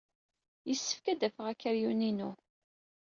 Yessefk ad d-afeɣ akeryun-inu.